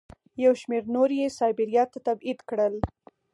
یو شمېر نور یې سایبریا ته تبعید کړل.